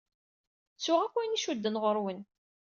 Ttuɣ akk ayen icudden ɣur-wen.